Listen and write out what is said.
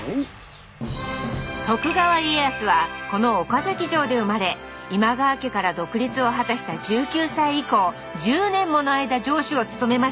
徳川家康はこの岡崎城で生まれ今川家から独立を果たした１９歳以降１０年もの間城主を務めました。